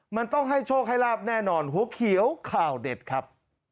มันต้องให้โชคให้ลาบแน่นอนหัวเขียวข่าวเด็ดครับ